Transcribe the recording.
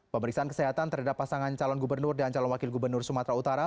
pemeriksaan kesehatan terhadap pasangan calon gubernur dan calon wakil gubernur sumatera utara